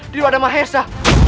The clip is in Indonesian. di luar ada mahesa